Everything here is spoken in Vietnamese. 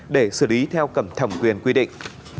để xử lý theo cẩm thẩm quyền quy định